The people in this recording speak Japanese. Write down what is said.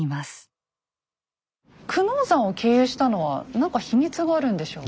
久能山を経由したのは何か秘密があるんでしょうか？